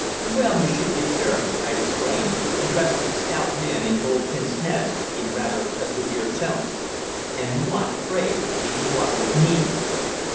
"Well, M'sieur Guertin," I exclaimed, addressing the stout man in gold pince nez in rather a severe tone, "and what, pray, do you want with me?"